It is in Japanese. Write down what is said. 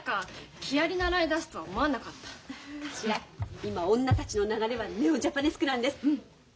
今女たちの流れはネオジャパネスクなんです。